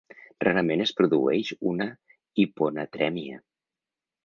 Rarament es produeix una hiponatrèmia.